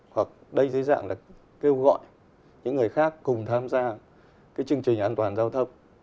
hoặc đây dưới dạng là kêu gọi những người khác cùng tham gia cái chương trình an toàn giao thông